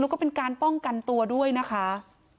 แล้วก็เป็นการป้องกันตัวด้วยนะคะ